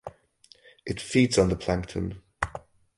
It feeds on the plankton.